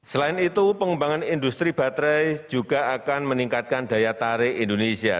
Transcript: selain itu pengembangan industri baterai juga akan meningkatkan daya tarik indonesia